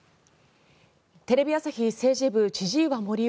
テレビ朝日政治部千々岩森生